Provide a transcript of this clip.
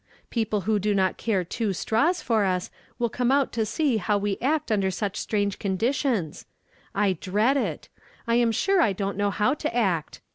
People who do not care two straws for us, will come out to see liow we act under such strange conditions. I dread it. I am sure I don't know how to act.